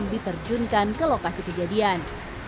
kemudian diperlukan ke lokasi kejadian